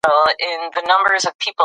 د ولس ستونزې يې تر وروستۍ ورځې اورېدې.